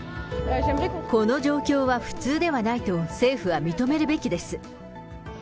この状況は普通ではないと、政府は認めるべきです。